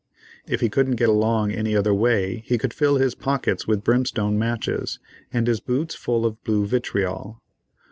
If he couldn't get along any other way, he could fill his pockets with brimstone matches, and his boots full of blue vitriol.